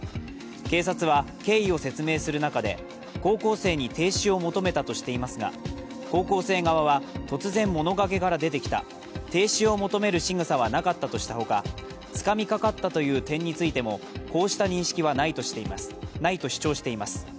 警察は経緯を説明する中で高校生に停止を求めたとしていますが、高校生側は、突然物陰から出てきた停止を求めるしぐさはなかったとしたほか、つかみかかったという点についても、こうした認識はないと主張しています。